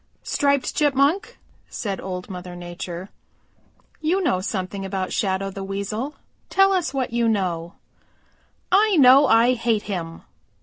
"Striped Chipmunk," said Old Mother Nature, "you know something about Shadow the Weasel, tell us what you know." "I know I hate him!"